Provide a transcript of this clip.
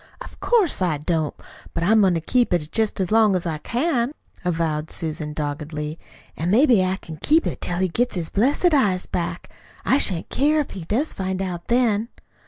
"Of course I don't. But I'm going to keep it jest as long as I can," avowed Susan doggedly. "An' maybe I can keep it till he gets his blessed eyes back. I shan't care if he does find out then."